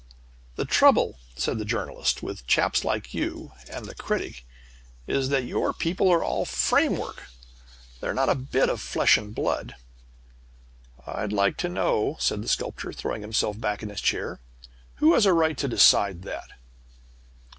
"The trouble," said the Journalist, "with chaps like you, and the Critic, is that your people are all framework. They're not a bit of flesh and blood." "I'd like to know," said the Sculptor, throwing himself back in his chair, "who has a right to decide that?"